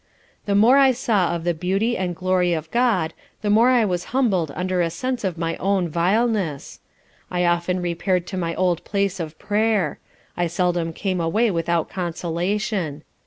The more I saw of the Beauty and Glory of God, the more I was humbled under a sense of my own vileness. I often repair'd to my old place of prayer; I seldom came away without consolation.